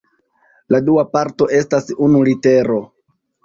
La dua parto estas unu litero.